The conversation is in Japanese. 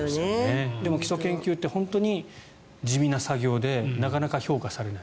でも基礎研究って本当に地味な作業でなかなか評価されない。